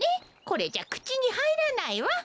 これじゃくちにはいらないわ。